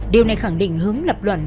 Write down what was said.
điều này khẳng định hướng lập luận